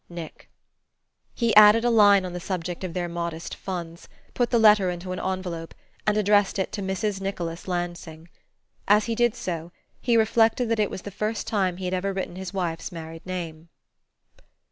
NICK." He added a line on the subject of their modest funds, put the letter into an envelope, and addressed it to Mrs. Nicholas Lansing. As he did so, he reflected that it was the first time he had ever written his wife's married name.